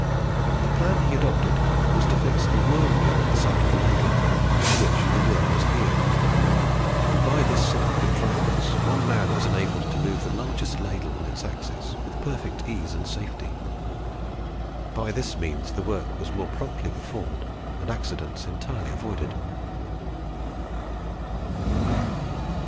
The plan he adopted was to fix a worm wheel on the side of the ladle, into which a worm was geared, and by this simple contrivance one man was enabled to move the largest ladle on its axis with perfect ease and safety. By this means the work was more promptly performed, and accidents entirely avoided.